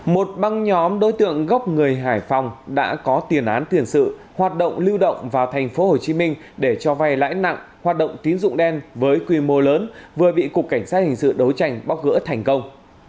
một băng nhóm đối tượng gốc người hải phòng đã có tiền án tiền sự hoạt động lưu động vào tp hcm để cho vay lãi nặng hoạt động tín dụng đen với quy mô lớn vừa bị cục cảnh sát hình sự đấu tranh bóc gỡ thành công